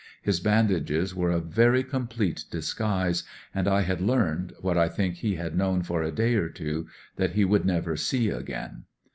His bandages were a very complete disguise, and I had learned, what I think he had known for a day or two, that he would never see again.